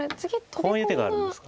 こういう手があるんですか。